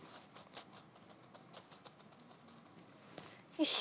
よし！